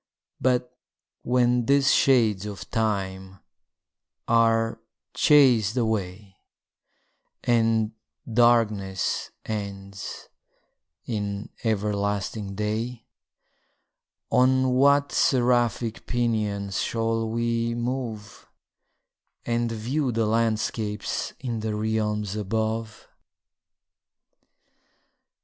But when these shades of time are chas'd away, And darkness ends in everlasting day, On what seraphic pinions shall we move, And view the landscapes in the realms above?